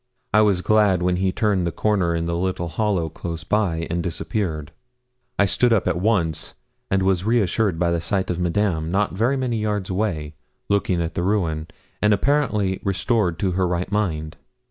I was glad when he turned the corner in the little hollow close by, and disappeared. I stood up at once, and was reassured by a sight of Madame, not very many yards away, looking at the ruin, and apparently restored to her right mind.